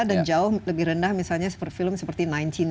dan jauh lebih rendah misalnya film seperti seribu sembilan ratus tujuh belas